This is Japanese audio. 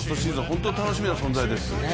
本当に楽しみな選手です。